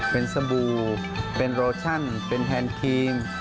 เป็นสบู่เป็นโรชั่นเป็นแฮนคิง